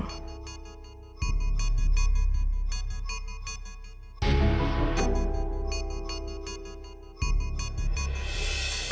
aku bisa bangun di klub atau ikut